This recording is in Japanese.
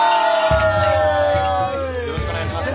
よろしくお願いします。